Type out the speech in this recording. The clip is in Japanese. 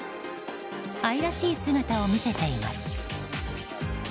愛らしい姿を見せています。